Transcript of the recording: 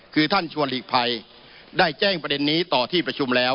คือท่านชวนหลีกภัยได้แจ้งประเด็นนี้ต่อที่ประชุมแล้ว